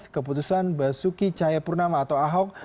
keputusan basuki cahaya purnama atau ahok